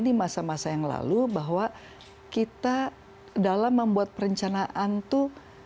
di masa masa yang lalu bahwa kita dalam membuat perencanaan itu